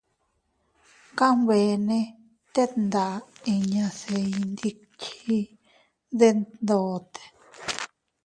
Kanbene tet nda inña se iyndikchiy detndote.